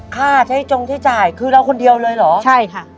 ค่าใช้จงใช้จ่ายคือเราคนเดียวเลยเหรอใช่ค่ะ